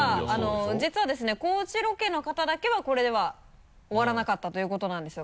実はですね高知ロケの方だけはこれでは終わらなかったということなんですよ